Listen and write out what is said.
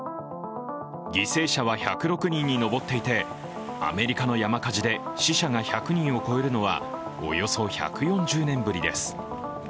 犠牲者は１０６人に上っていてアメリカの山火事で死者が１００人を超えるのはおよそ１４０年ぶりです。